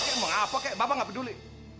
apa kaya bapak nggak peduli